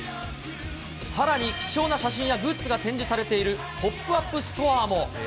さらに貴重な写真やグッズが展示されているポップアップストアも。